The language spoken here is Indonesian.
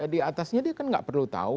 di atasnya dia kan nggak perlu tahu